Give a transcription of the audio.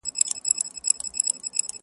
ما بې بخته له سمسوره باغه واخیسته لاسونه.!